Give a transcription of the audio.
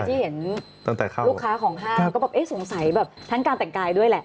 ที่เห็นลูกค้าของท่านก็แบบสงสัยแบบทั้งการแต่งกายด้วยแหละ